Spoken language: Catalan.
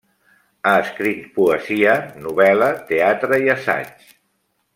Ha escrit poesia, novel·la, teatre i assaig.